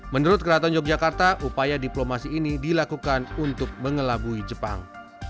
menurut keraton yogyakarta upaya diplomasi ini dilakukan untuk mengelabui jepang